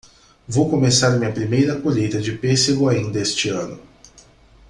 Vou começar minha primeira colheita de pêssego ainda este ano.